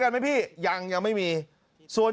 การนอนไม่จำเป็นต้องมีอะไรกัน